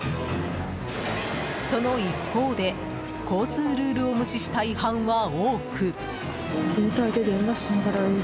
その一方で、交通ルールを無視した違反は多く。